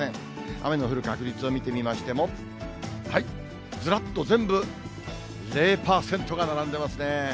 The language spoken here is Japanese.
雨の降る確率を見てみましても、ずらっと全部、０％が並んでますね。